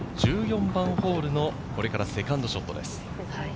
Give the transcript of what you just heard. １４番ホールのこれから、セカンドショットです。